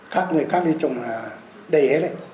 khác người khác thì trồng là đầy hết